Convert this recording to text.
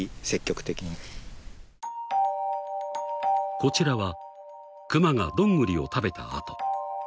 ［こちらはクマがどんぐりを食べた跡］